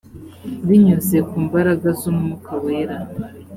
binyuze ku mbaraga z umwuka wera